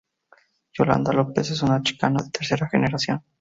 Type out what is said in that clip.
Yolanda López es una chicana de tercera generación.